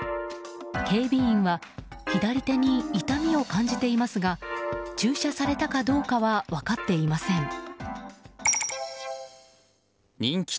警備員は左手に痛みを感じていますが注射されたかどうかは分かっていません。